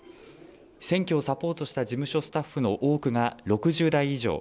選挙をサポートした事務所スタッフの多くが６０代以上。